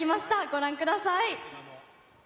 ご覧ください。